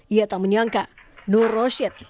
ia tak menyangka nur roshid